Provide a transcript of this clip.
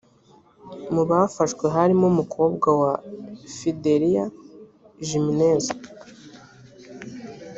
mu bafashwe harimo umukobwa wa fidelia jimenez